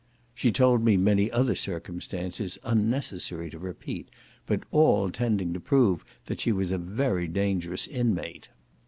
She told me many other circumstances, unnecessary to repeat, but all tending to prove that she was a very dangerous inmate.